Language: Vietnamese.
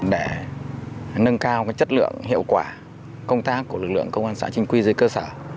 để nâng cao chất lượng hiệu quả công tác của lực lượng công an xã chính quy dưới cơ sở